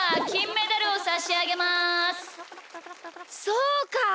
そうか！